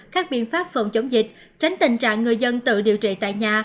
các biện pháp phòng chống dịch tránh tình trạng người dân tự điều trị tại nhà